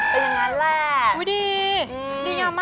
เป็นอย่างนั้นแหละ